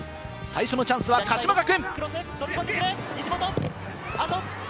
最初のチャンスは鹿島学園。